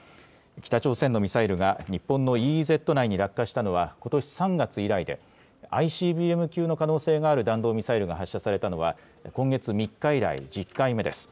北朝鮮のミサイルが日本のＥＥＺ内に落下したのはことし３月以来で、ＩＣＢＭ級の可能性がある弾道ミサイルが発射されたのは、今月３日以来１０回目です。